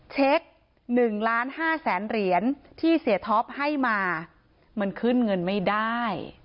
เช็ค๑ล้าน๕แสนเหรียญที่เสียท็อปให้มามันขึ้นเงินไม่ได้